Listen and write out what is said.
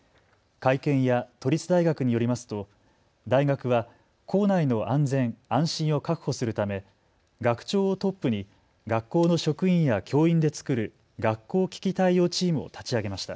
会見や都立大学によりますと大学は構内の安全安心を確保するため学長をトップに学校の職員や教員で作る学校危機対応チームを立ち上げました。